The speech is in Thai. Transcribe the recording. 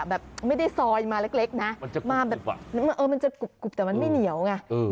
แบบไม่ได้ซอยมาเล็กนะมันจะกุบแต่มันไม่เหนียวไง